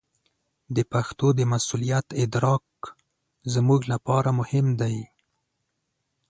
د پښتو د مسوولیت ادراک زموږ لپاره مهم دی.